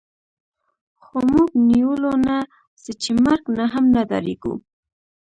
خو موږ نیولو نه څه چې مرګ نه هم نه ډارېږو